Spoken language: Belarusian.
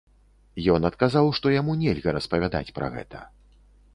Ён адказаў што яму нельга распавядаць пра гэта.